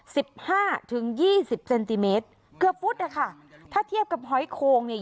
สิบห้าถึงยี่สิบเซนติเมตรเกือบฟุตอ่ะค่ะถ้าเทียบกับหอยโคงเนี่ย